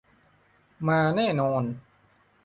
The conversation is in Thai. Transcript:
มาแน่นอน